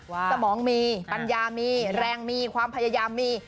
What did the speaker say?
สมองมีปัญญามีแรงมีความพยายามมี